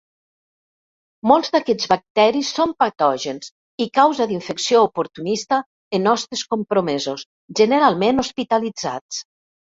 Molts d'aquests bacteris són patògens i causa d'infecció oportunista en hostes compromesos, generalment hospitalitzats.